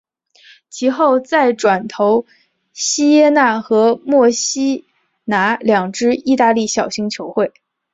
其后再转投锡耶纳和墨西拿两支意大利小型球会。